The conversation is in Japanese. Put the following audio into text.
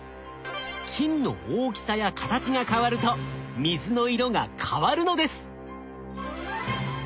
金の大きさや形が変わると水の色が変わるのです。